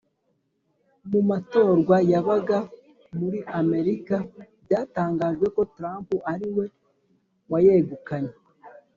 Mumatorwa yabaga muri America byatangajwe ko Trump ariwe wayegukanye